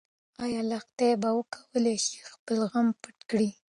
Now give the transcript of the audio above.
ايا لښتې به وکولی شي چې خپل غم پټ کړي؟